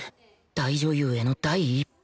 大女優への第一歩